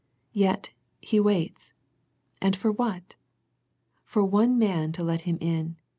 Yet He waits, and for what? For one man to let Him in.